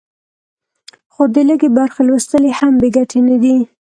خو د لږې برخې لوستل یې هم بې ګټې نه دي.